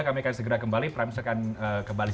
kami akan segera kembali prime news akan kembali